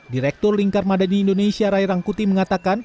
direktur lingkar mada di indonesia rai rangkuti mengatakan